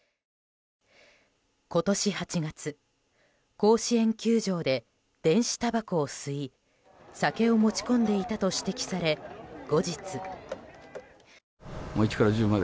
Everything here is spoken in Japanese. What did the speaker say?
今年８月、甲子園球場で電子たばこを吸い酒を持ち込んでいたと指摘され後日。